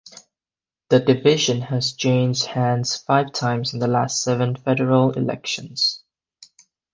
The Division has changed hands five times in the last seven Federal elections.